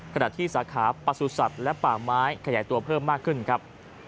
ขณะที่สาขาประสุทธิ์และป่าไม้ขยายตัวเพิ่มมากขึ้นครับ